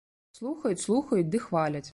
Слухаюць, слухаюць ды хваляць!